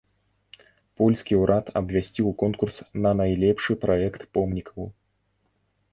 Польскі ўрад абвясціў конкурс на найлепшы праект помнікаў.